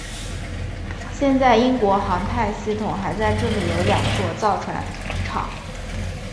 现在英国航太系统还在这里有两座造船厂。